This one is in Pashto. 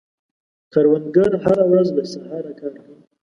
کروندګر هره ورځ له سهاره کار کوي